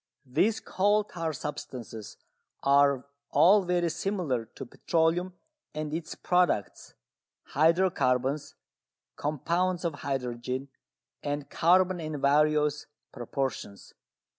These coal tar substances are all very similar to petroleum and its products, hydro carbons, compounds of hydrogen and carbon in various proportions.